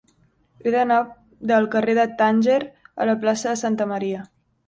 He d'anar del carrer de Tànger a la plaça de Santa Maria.